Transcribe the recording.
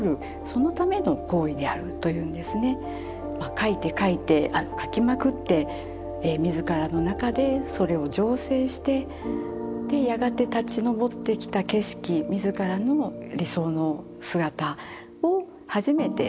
描いて描いて描きまくって自らの中でそれを醸成してでやがて立ちのぼってきた景色自らの理想の姿を初めて絵にするんだということです。